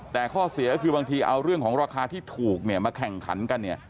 แต่ข้อเสียก็คือบางทีเอาเรื่องของราคาที่ถูกมาแข่งขันกันเนี่ย